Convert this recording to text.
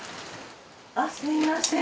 あっすみません。